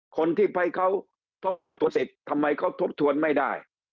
คนที่ไปเขาตัวติดทำไมเขาทบทวนไม่ได้